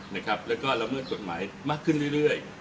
แล้วก็ละเมิดกฎหมายมากขึ้นเรื่อย